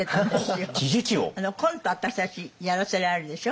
コントを私たちやらせられるでしょ？